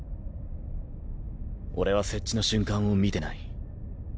俺は接地の瞬間を見てない。